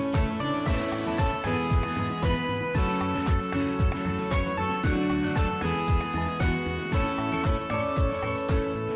สวัสดีครับ